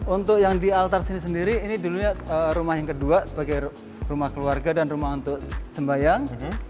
untuk yang di altar sini sendiri ini dulunya rumah yang kedua sebagai rumah keluarga dan rumah untuk sembayang